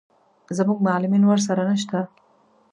زموږ معلمین ورسره نه شته.